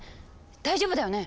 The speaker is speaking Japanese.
大丈夫だよね？